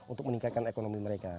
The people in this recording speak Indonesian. untuk meningkatkan ekonomi mereka